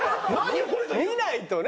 見ないとね！